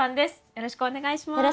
よろしくお願いします。